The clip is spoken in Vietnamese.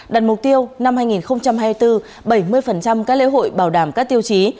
đặt mục tiêu năm hai nghìn hai mươi bốn bảy mươi các lễ hội bảo đảm các tiêu chí